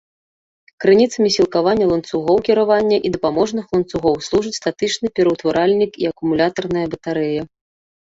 Крыніцамі сілкавання ланцугоў кіравання і дапаможных ланцугоў служыць статычны пераўтваральнік і акумулятарная батарэя.